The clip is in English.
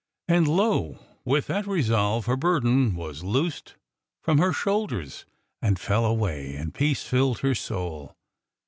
And lo! with that resolve her burden was loosed from her shoulders and fell away, and peace filled her soul.